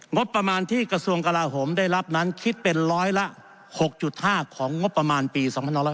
งบประมาณที่กระทรวงกลาโหมได้รับนั้นคิดเป็นร้อยละ๖๕ของงบประมาณปี๒๕๖๐